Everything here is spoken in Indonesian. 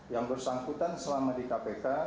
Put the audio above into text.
yang bersangkutan selama di kpk